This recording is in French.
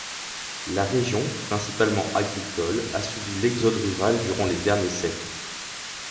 La région, principalement agricole, a subi l'exode rural durant les derniers siècles.